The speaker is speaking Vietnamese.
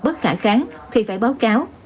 bất khả kháng thì phải báo cáo